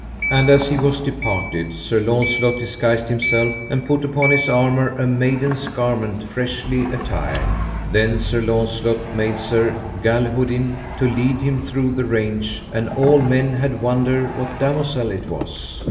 And as he was departed, Sir Launcelot disguised himself, and put upon his armour a maiden's garment freshly attired. Then Sir Launcelot made Sir Galihodin to lead him through the range, and all men had wonder what damosel it was.